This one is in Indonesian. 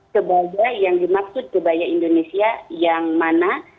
sebagai yang dimaksud kebaya indonesia yang mana